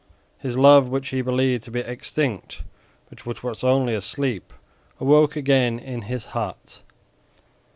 His love, which he believed to be extinct but which was only asleep, awoke again in his heart.